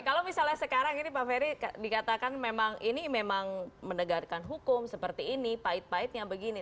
kalau misalnya sekarang ini pak ferry dikatakan memang ini memang menegakkan hukum seperti ini pahit pahitnya begini